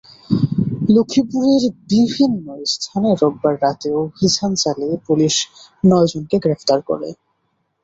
লক্ষ্মীপুরের বিভিন্ন স্থানে রোববার রাতে অভিযান চালিয়ে পুলিশ নয়জনকে গ্রেপ্তার করে।